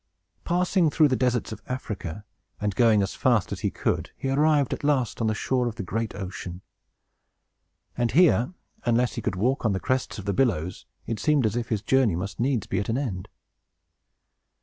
Passing through the deserts of Africa, and going as fast as he could, he arrived at last on the shore of the great ocean. And here, unless he could walk on the crests of the billows, it seemed as if his journey must needs be at an end.